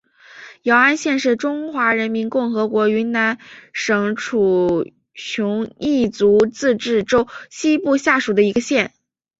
姚安县是中华人民共和国云南省楚雄彝族自治州西部下属的一个县。